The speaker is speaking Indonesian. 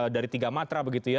dari tiga matra begitu ya